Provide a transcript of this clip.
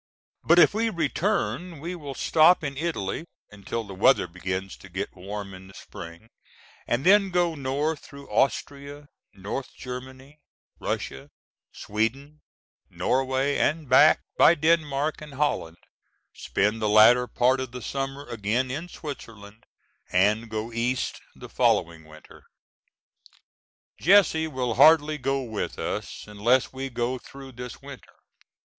But if we return we will stop in Italy until the weather begins to get warm in the Spring and then go north through Austria, North Germany, Russia, Sweden, Norway and back by Denmark and Holland, spend the latter part of the summer again in Switzerland, and go east the following winter. Jesse will hardly go with us unless we go through this winter.